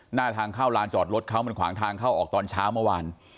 หน้าทางเข้าลานจอดรถเขามันขวางทางเข้าออกตอนเช้าเมื่อวาน